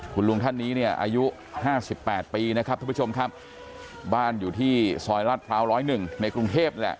คุณลุงท่านนี้เนี่ยอายุ๕๘ปีนะครับทุกผู้ชมครับบ้านอยู่ที่ซอยลาดพร้าว๑๐๑ในกรุงเทพแหละ